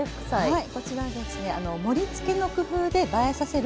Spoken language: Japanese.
はい。